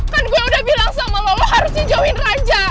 kan gue udah bilang sama lo lo harus ngejauhin raja